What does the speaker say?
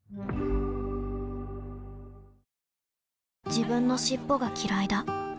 自分の尻尾がきらいだ